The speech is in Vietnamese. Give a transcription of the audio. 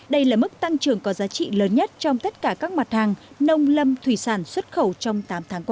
đây là mức tăng trưởng có giá trị lớn nhất trong tất cả các mặt hàng nông lâm thủy sản xuất khẩu trong tám tháng qua